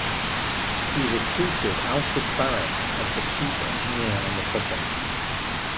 He recruited Alfred Barrett as the chief engineer on the project.